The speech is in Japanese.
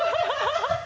ハハハ